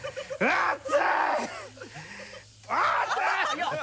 熱い！